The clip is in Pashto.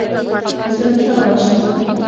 زه تا وژنم.